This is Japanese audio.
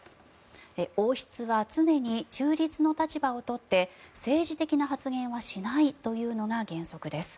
王室は常に中立の立場を取って政治的な発言はしないというのが原則です。